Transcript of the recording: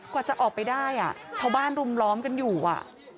กว่าจะออกไปได้อ่ะชาวบ้านรุมล้อมกันอยู่อ่ะ